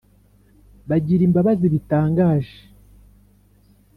Bagira imbabazi bitangaje.